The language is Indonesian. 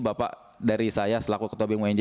bapak dari saya selaku ketua bumj